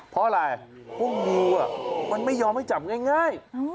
เพราะอะไรพวกลูเป็นเป็นคนไม่ยอมให้จับน่ะ